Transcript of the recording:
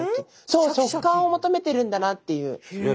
そう食感を求めてるんだなっていう。